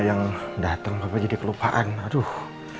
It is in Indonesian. yang datang bapak jadi kelupaan aduh